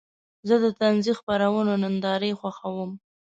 زه د طنزي خپرونو نندارې خوښوم.